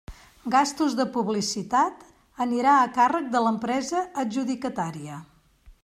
Gastos de publicitat: anirà a càrrec de l'empresa adjudicatària.